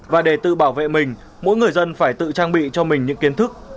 và để tự bảo vệ mình mỗi người dân phải tự trang bị cho mình những kiến thức